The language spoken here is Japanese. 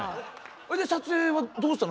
それで撮影はどうしたの？